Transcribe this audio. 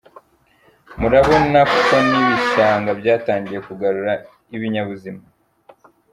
Murabona ko n’ibishanga byatangiye kugarura ibinyabuzima.